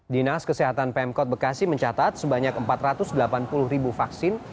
dinas kesehatan pemkot bekasi mencatat sebanyak empat ratus delapan puluh ribu vaksin